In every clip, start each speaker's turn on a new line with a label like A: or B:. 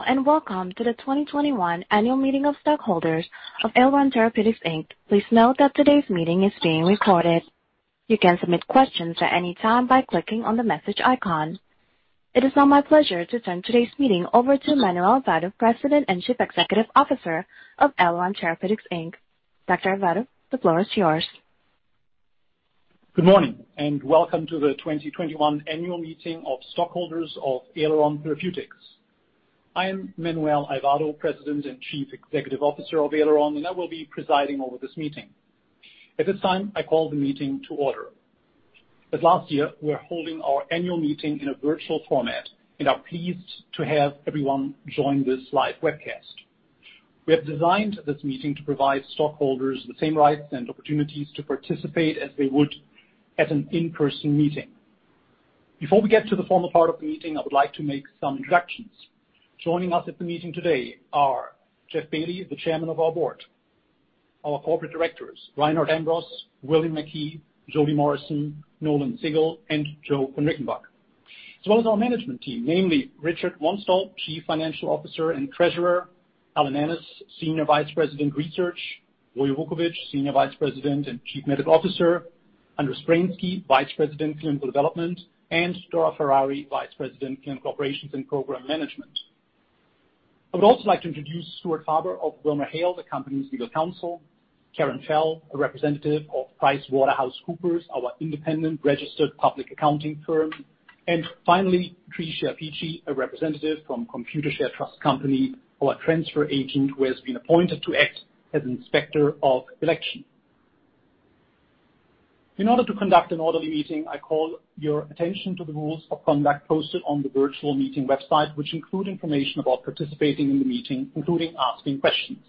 A: Hello, and welcome to the 2021 annual meeting of stockholders of Aileron Therapeutics Inc. Please note that today's meeting is being recorded. You can submit questions at any time by clicking on the message icon. It is now my pleasure to turn today's meeting over to Manuel Aivado, President and Chief Executive Officer of Aileron Therapeutics Inc. Dr. Aivado, the floor is yours.
B: Good morning, and welcome to the 2021 annual meeting of stockholders of Aileron Therapeutics. I am Manuel Aivado, President and Chief Executive Officer of Aileron, and I will be presiding over this meeting. At this time, I call the meeting to order. As last year, we are holding our annual meeting in a virtual format and are pleased to have everyone join this live webcast. We have designed this meeting to provide stockholders the same rights and opportunities to participate as they would at an in-person meeting. Before we get to the formal part of the meeting, I would like to make some introductions. Joining us at the meeting today are Jeff Bailey, the Chairman of our Board. Our Corporate Directors, Reinhard J. Ambros, William McKee, Jodie Morrison, Nolan Sigal, and Joe von Rickenbach. As well as our management team, namely Richard J. Wanstall, Chief Financial Officer and Treasurer, Allen Annis, Senior Vice President of Research, Vojislav Vukovic, Senior Vice President and Chief Medical Officer, Andrew Spransky, Vice President of Clinical Development, and Dora Ferrari, Vice President of Clinical Operations and Program Management. I'd also like to introduce Stuart Falber of WilmerHale, the company's legal counsel, Karen Schell, a representative of PricewaterhouseCoopers, our independent registered public accounting firm, and finally, Trisha Peachy, a representative from Computershare Trust Company, our transfer agent who has been appointed to act as Inspector of Election. In order to conduct an order of the meeting, I call your attention to the rules of conduct posted on the virtual meeting website, which include information about participating in the meeting, including asking questions.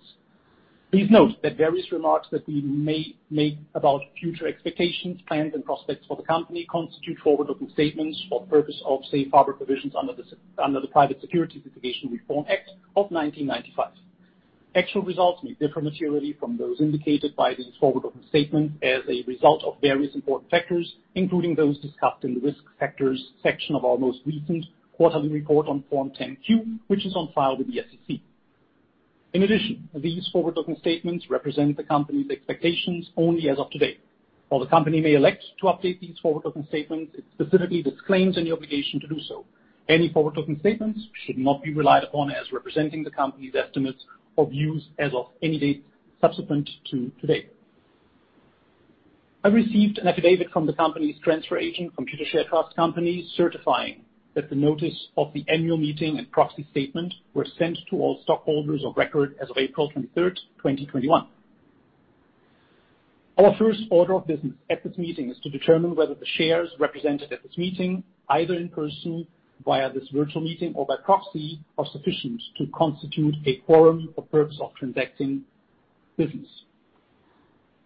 B: Please note that various remarks that we may make about future expectations, plans, and prospects for the company constitute forward-looking statements for purposes of safe harbor provisions under the Private Securities Litigation Reform Act of 1995. Actual results may differ materially from those indicated by these forward-looking statements as a result of various important factors, including those discussed in the risk factors section of our most recent quarterly report on Form 10-Q, which is on file with the SEC. In addition, these forward-looking statements represent the company's expectations only as of today. While the company may elect to update these forward-looking statements, it specifically disclaims any obligation to do so. Any forward-looking statements should not be relied upon as representing the company's estimates or views as of any date subsequent to today. I received an affidavit from the company's transfer agent, Computershare Trust Company, certifying that the notice of the annual meeting and proxy statement were sent to all stockholders of record as of April 23rd, 2021. Our first order of business at this meeting is to determine whether the shares represented at this meeting, either in person, via this virtual meeting, or by proxy, are sufficient to constitute a quorum for purpose of transacting business.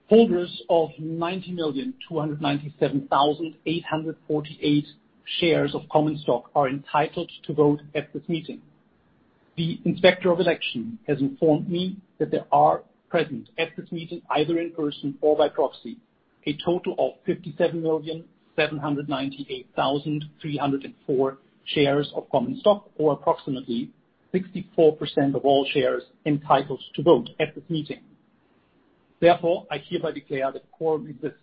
B: Holders of 90,297,848 shares of common stock are entitled to vote at this meeting. The Inspector of Election has informed me that there are present at this meeting, either in person or by proxy, a total of 57,798,304 shares of common stock, or approximately 64% of all shares entitled to vote at this meeting. Therefore, I hereby declare that a quorum exists.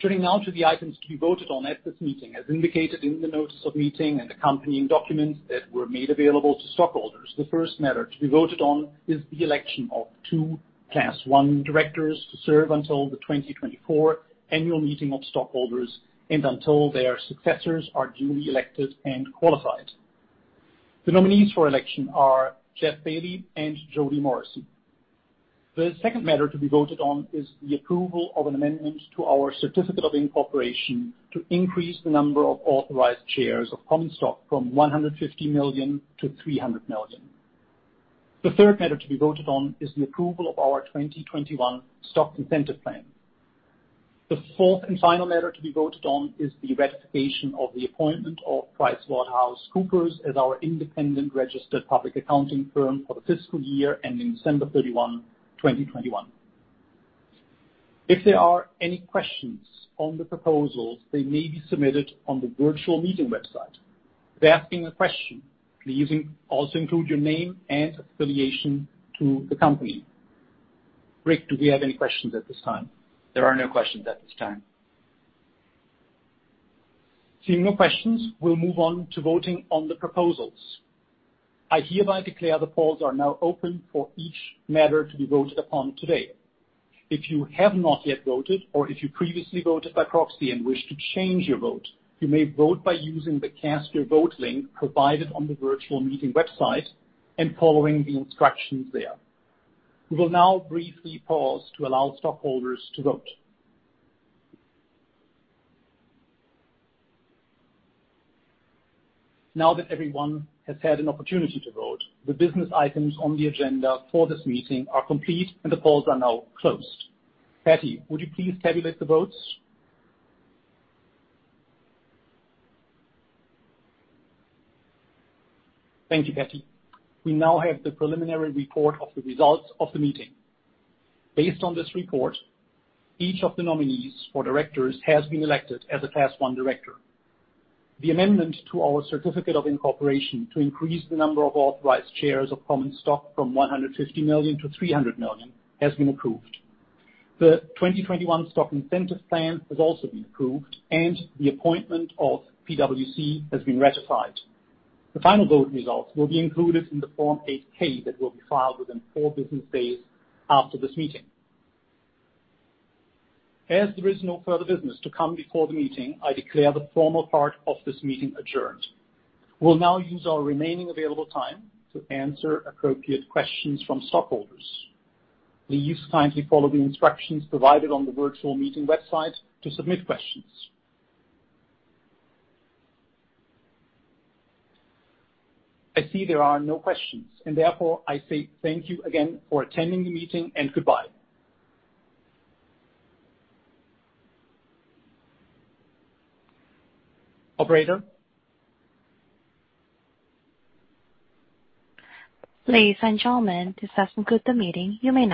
B: Turning now to the items to be voted on at this meeting, as indicated in the notice of meeting and accompanying documents that were made available to stockholders. The first matter to be voted on is the election of two Class I directors to serve until the 2024 annual meeting of stockholders and until their successors are duly elected and qualified. The nominees for election are Jeff Bailey and Jodie Morrison. The second matter to be voted on is the approval of amendments to our certificate of incorporation to increase the number of authorized shares of common stock from 150 million to 300 million. The third matter to be voted on is the approval of our 2021 Stock Incentive Plan. The fourth and final matter to be voted on is the ratification of the appointment of PricewaterhouseCoopers as our independent registered public accounting firm for the fiscal year ending December 31, 2021. If there are any questions on the proposals, they may be submitted on the virtual meeting website. When asking a question, please also include your name and affiliation to the company. Rick, do we have any questions at this time?
C: There are no questions at this time.
B: Seeing no questions, we'll move on to voting on the proposals. I hereby declare the polls are now open for each matter to be voted upon today. If you have not yet voted or if you previously voted by proxy and wish to change your vote, you may vote by using the Cast Your Vote link provided on the virtual meeting website and following the instructions there. We will now briefly pause to allow stockholders to vote. Now that everyone has had an opportunity to vote, the business items on the agenda for this meeting are complete and the polls are now closed. Patty, would you please tabulate the votes? Thank you, Patty. We now have the preliminary report of the results of the meeting. Based on this report, each of the nominees for directors has been elected as a Class I director. The amendment to our certificate of incorporation to increase the number of authorized shares of common stock from 150 million to 300 million has been approved. The 2021 stock incentive plan has also been approved, and the appointment of PwC has been ratified. The final vote results will be included in the Form 8-K that will be filed within four business days after this meeting. As there is no further business to come before the meeting, I declare the formal part of this meeting adjourned. We'll now use our remaining available time to answer appropriate questions from stockholders. Please kindly follow the instructions provided on the virtual meeting website to submit questions. I see there are no questions, and therefore I say thank you again for attending the meeting and goodbye. Operator?
A: Ladies and gentlemen, this does conclude the meeting.